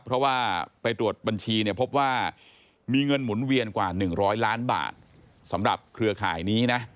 เพราะว่าไปตรวจบัญชีเนี่ยพบว่ามีเงินหมุนเวียนกว่า๑๐๐ล้านบาทสำหรับเครือข่ายนี้นะ